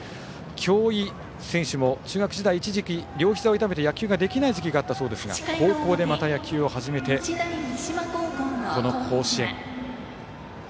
京井選手も中学時代、一時期両ひざを痛めて野球ができない時期があったそうですが高校でまた野球を始めてこの甲子園。